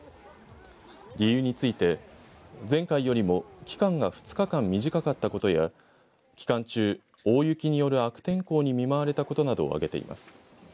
理由について前回よりも期間が２日間短かったことや期間中大雪による悪天候に見舞われたことなどを挙げています。